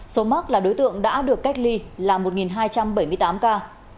số mắc là đối tượng đã được cách ly là một hai trăm bảy mươi tám ca